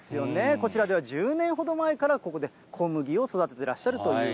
こちらでは１０年ほど前からここで小麦を育ててらっしゃるという